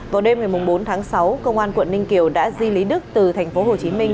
vào đêm ngày bốn tháng sáu công an quận ninh kiều đã di lý đức từ thành phố hồ chí minh